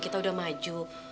kita udah maju